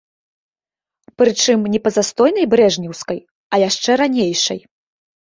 Прычым, не па застойнай брэжнеўскай, а яшчэ ранейшай.